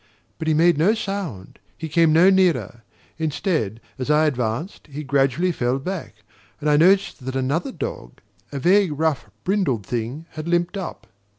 But he made no sound, he came no nearer. Instead, as I advanced, he gradually fell back, and I noticed that another dog, a vague rough brindled thing, had limped up.